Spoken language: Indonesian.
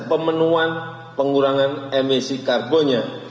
pemenuhan pengurangan emisi karbonnya